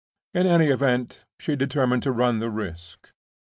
In any event, she determined to run the risk.